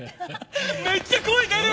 めっちゃ声出る！